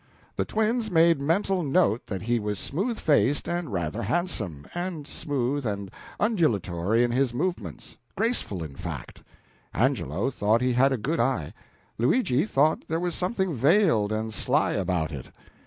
The twins made mental note that he was smooth faced and rather handsome, and smooth and undulatory in his movements graceful, in fact. Angelo thought he had a good eye; Luigi thought there was something veiled and sly about it.